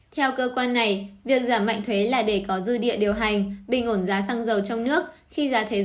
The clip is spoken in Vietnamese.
theo cơ quan này việc giảm mạnh thuế là để có dư địa điều hành